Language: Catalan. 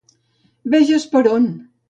Veges per a on!